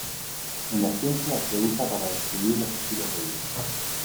En la ciencia, se usa para describir los estilos de vida.